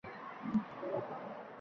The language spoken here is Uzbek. Chunki uning jasorati